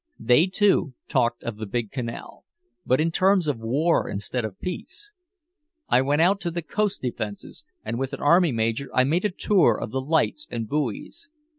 They too talked of the Big Canal, but in terms of war instead of peace. I went out to the coast defenses, and with an army major I made a tour of the lights and buoys.